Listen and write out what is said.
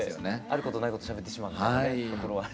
あることないことしゃべってしまうところは。